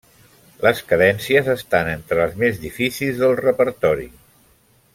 Les cadències estan entre les més difícils del repertori.